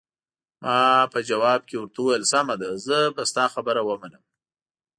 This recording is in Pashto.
ما په ځواب کې ورته وویل: سمه ده، زه به ستا خبره ومنم.